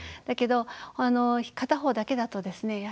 だけど片方だけだとですね